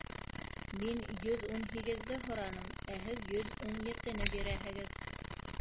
Мин йөҙ ун һигеҙҙе һораным, ә һеҙ йөҙ ун етене бирәһегеҙ!